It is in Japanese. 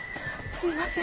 すいません！